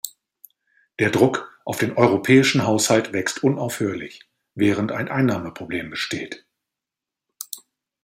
Der Druck auf den europäischen Haushalt wächst unaufhörlich, während ein Einnahmeproblem besteht.